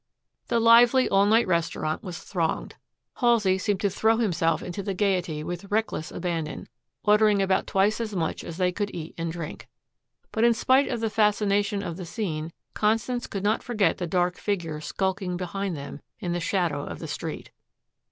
The lively, all night restaurant was thronged. Halsey seemed to throw himself into the gayety with reckless abandon, ordering about twice as much as they could eat and drink. But in spite of the fascination of the scene, Constance could not forget the dark figure skulking behind them in the shadow of the street.